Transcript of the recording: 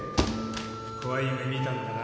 怖い夢見たのかな？